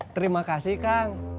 terima kasih kang